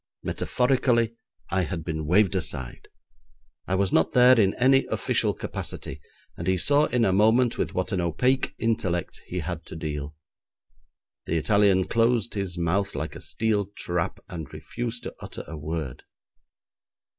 Metaphorically I had been waved aside. I was not there in any official capacity, and he saw in a moment with what an opaque intellect he had to deal. The Italian closed his mouth like a steel trap, and refused to utter a word.